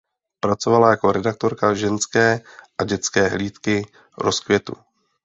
Pracovala jako redaktorka ženské a dětské hlídky Rozkvětu.